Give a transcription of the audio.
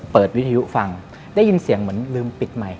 เปิดวิทยุฟังได้ยินเสียงเหมือนลืมปิดไมค์